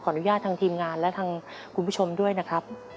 อนุญาตทางทีมงานและทางคุณผู้ชมด้วยนะครับ